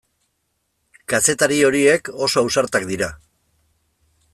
Kazetari horiek oso ausartak dira.